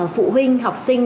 phụ huynh học sinh